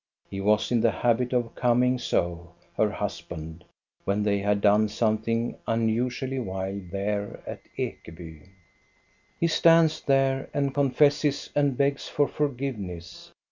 He was in the habit of coming so, her husband, when they had done something unusually wild there at Ekeby. He stands there and confesses and begs for forgive ness.